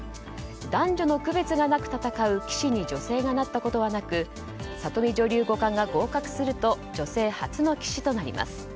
男女の区別がなく戦う棋士に女性がなったことはなく合格すると女性初の棋士となります。